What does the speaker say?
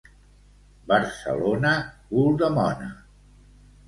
Barcelona, cul de mona.